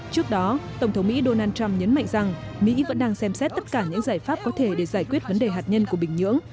trước đó tổng thống mỹ donald trump nhấn mạnh rằng mỹ vẫn đang xem xét tất cả những giải pháp có thể để giải quyết vấn đề hạt nhân của bình nhưỡng